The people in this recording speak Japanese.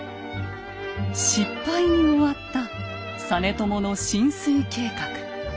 失敗に終わった実朝の進水計画。